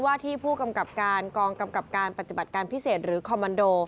ว่าที่ผู้กำกับการกองกำกับการปฏิบัติการพิเศษหรือคอมมันโด